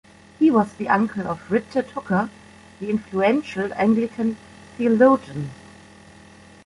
He was the uncle of Richard Hooker, the influential Anglican theologian.